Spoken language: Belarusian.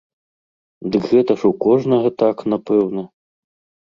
Дык гэта ж у кожнага так, напэўна?